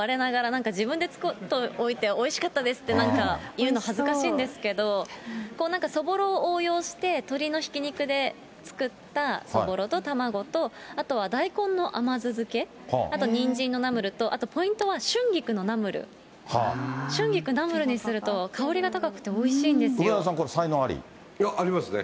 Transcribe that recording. なんか自分で作っておいて、おいしかったですって、なんか、言うの恥ずかしいんですけど、なんかそぼろを応用して、鶏のひき肉で作ったそぼろと卵と、あとは大根の甘酢漬け、あとニンジンのナムルと、あとポイントは春菊のナムル、春菊、ナムルにすると、梅沢さん、これ、いや、ありますね。